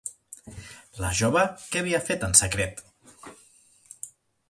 La jove què havia fet, en secret?